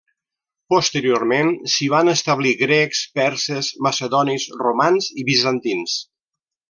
Posteriorment s'hi van establir grecs, perses, macedonis, romans i bizantins.